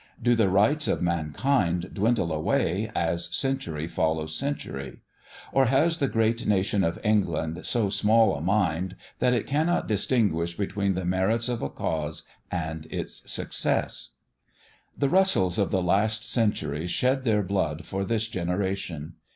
Do the rights of mankind dwindle away as century follows century? Or has the great nation of England so small a mind that it cannot distinguish between the merits of a cause and its success? The Russells of the last centuries shed their blood for this generation.